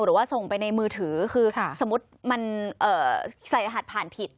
หรือว่าส่งไปในมือถือคือสมมุติมันใส่รหัสผ่านผิด